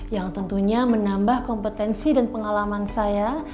yang tentunya menambah kompetensi dan pengalaman saya